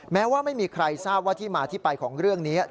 แม้ว่าไม่มีใครทราบว่าที่มาที่ไปของเรื่องนี้